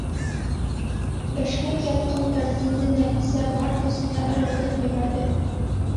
Бәшмәк ятҡан кәрзинде Нәфисә бар көсөнә ырғытып ебәрҙе.